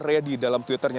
we are ready dalam twitternya